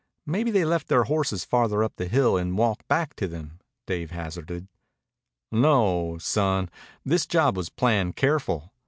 Maybe they left their horses farther up the hill and walked back to them," Dave hazarded. "No o, son. This job was planned careful.